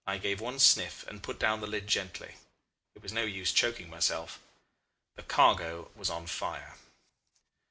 I gave one sniff, and put down the lid gently. It was no use choking myself. The cargo was on fire.